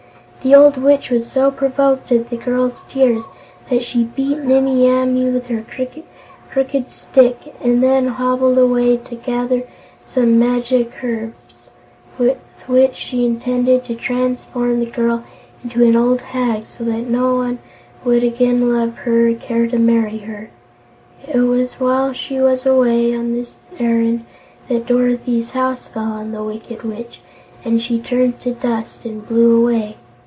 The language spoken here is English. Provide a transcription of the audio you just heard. The old Witch was so provoked at the girl's tears that she beat Nimmie Amee with her crooked stick and then hobbled away to gather some magic herbs, with which she intended to transform the girl into an old hag, so that no one would again love her or care to marry her. It was while she was away on this errand that Dorothy's house fell on the Wicked Witch, and she turned to dust and blew away.